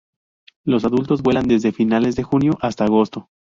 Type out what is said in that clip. Los adultos vuelan desde finales de junio hasta agosto.